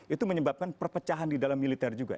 itu menyebabkan perpecahan di dalam militer juga